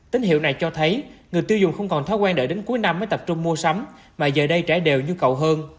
tính hiệu này cho thấy người tiêu dùng không còn thói quen đợi đến cuối năm mới trở thành doanh thu